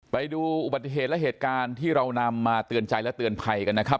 ไปดูอุบัติเหตุและเหตุการณ์ที่เรานำมาเตือนใจและเตือนภัยกันนะครับ